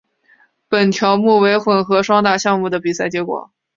本条目为混合双打项目的比赛结果。